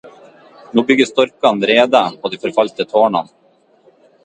Nå bygger storkene reder på de forfalte tårnene.